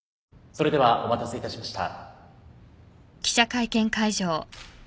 それではお待たせいたしました。